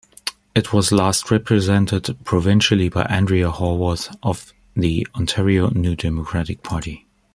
It was last represented provincially by Andrea Horwath of the Ontario New Democratic Party.